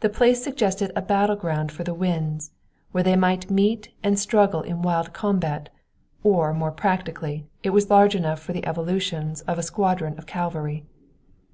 The place suggested a battle ground for the winds, where they might meet and struggle in wild combat; or more practically, it was large enough for the evolutions of a squadron of cavalry.